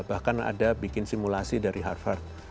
bahkan ada bikin simulasi dari harvard